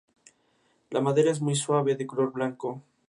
La madera es muy suave, de color blanco.